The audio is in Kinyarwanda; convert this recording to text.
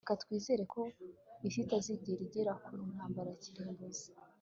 reka twizere ko isi itazigera igera ku ntambara ya kirimbuzi